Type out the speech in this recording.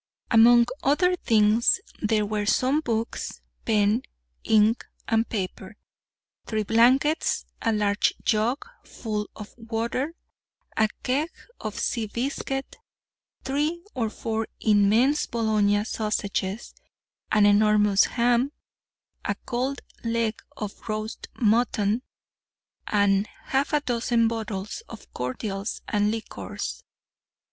Among other things, there were some books, pen, ink, and paper, three blankets, a large jug full of water, a keg of sea biscuit, three or four immense Bologna sausages, an enormous ham, a cold leg of roast mutton, and half a dozen bottles of cordials and liqueurs.